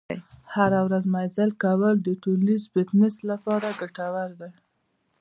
هره ورځ مزل کول د ټولیز فټنس لپاره ګټور دي.